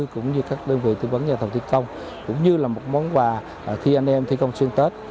cũng như các đơn vị tư vấn nhà thầu thi công cũng như là một món quà khi anh em thi công xuyên tết